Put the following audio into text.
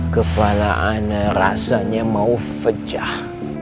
ke poi rasanya mau vecah